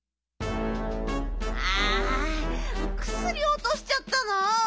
あくすりおとしちゃったの？